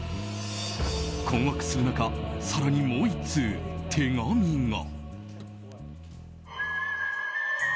困惑する中更にもう１通、手紙が。